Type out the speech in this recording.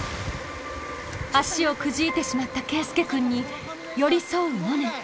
足をくじいてしまった圭輔君に寄り添うモネ。